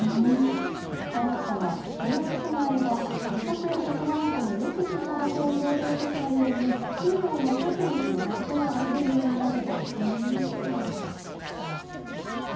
開発者は、この靴があれば、自宅や職場などのよく知った場所を移動するときのように、つえを持たずにいろんな所を歩けるようになると話しています。